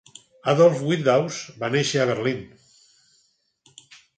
Adolf Windaus va néixer a Berlín.